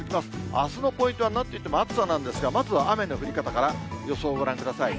あすのポイントはなんといっても暑さなんですが、まず雨の降り方から予想をご覧ください。